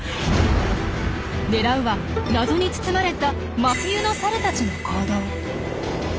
ねらうは謎に包まれた真冬のサルたちの行動。